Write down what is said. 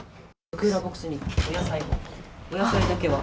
クーラーボックスにお野菜だけは。